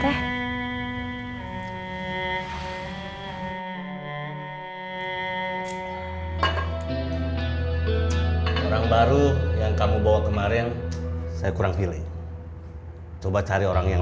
lah neuen teman yang kamu bawa kemarin dapat kurang nih coba cari orang yang